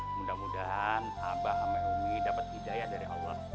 mudah mudahan abah sama umi dapat hidayah dari allah